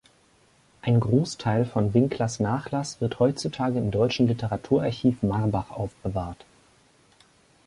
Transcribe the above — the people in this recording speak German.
Ein Großteil von Winklers Nachlass wird heutzutage im Deutschen Literaturarchiv Marbach aufbewahrt.